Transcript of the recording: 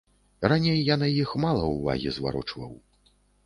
Раней я на іх мала ўвагі зварочваў.